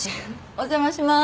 お邪魔します。